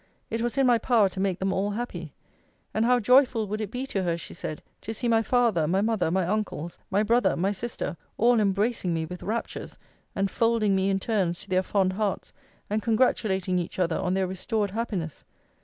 It was in my power to make them all happy. And how joyful would it be to her, she said, to see my father, my mother, my uncles, my brother, my sister, all embracing me with raptures, and folding me in turns to their fond hearts, and congratulating each other on their restored happiness!